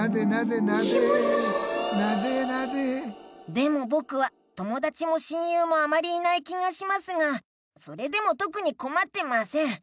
でもぼくは友だちも親友もあまりいない気がしますがそれでもとくにこまってません。